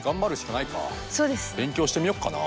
勉強してみよっかな。